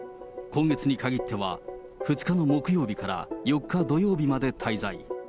今月に限っては、２日の木曜日から４日土曜日まで滞在。